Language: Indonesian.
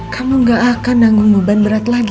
kamu gak akan nanggung beban berat lagi